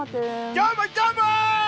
どーも、どーも！